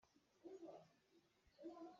Saveh hmete pakhat a zuat.